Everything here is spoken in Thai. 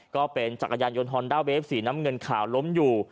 จักรยานยนต์ฮอนด้าเวฟสีน้ำเงินขาวล้มอยู่